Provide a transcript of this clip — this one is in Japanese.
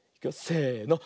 せの。